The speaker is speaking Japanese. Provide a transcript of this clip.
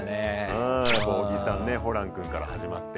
うん小木さんホランくんから始まって。